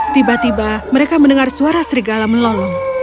tiba tiba mereka mendengar suara serigala melolong